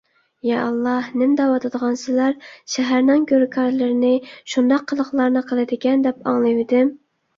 يا ئاللاھ، نېمە دەۋاتىدىغانسىلەر؟ شەھەرنىڭ گۆركارلىرىنى شۇنداق قىلىقلارنى قىلىدىكەن، دەپ ئاڭلىۋىدىم.